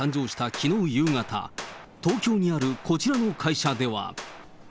きのう夕方、東京にあるこちらの会社では。